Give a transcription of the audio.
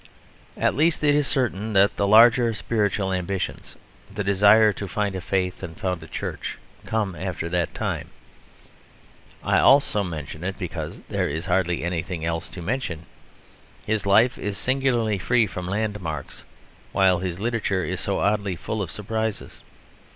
At least it is certain that the larger spiritual ambitions, the desire to find a faith and found a church, come after that time. I also mention it because there is hardly anything else to mention; his life is singularly free from landmarks, while his literature is so oddly full of surprises.